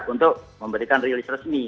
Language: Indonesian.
untuk memberikan rilis resmi